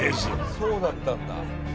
そうだったんだ。